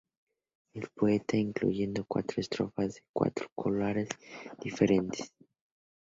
El poeta incluye cuatro estrofas de cuatro corales diferentes.